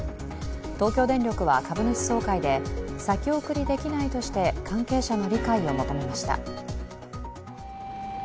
東京電力は株主総会で先送りできないとして関係者の理解を求めました。